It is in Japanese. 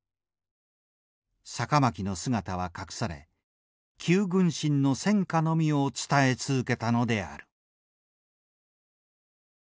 酒巻の姿は隠され九軍神の戦果のみを伝え続けたのである。